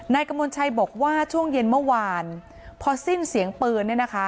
กระมวลชัยบอกว่าช่วงเย็นเมื่อวานพอสิ้นเสียงปืนเนี่ยนะคะ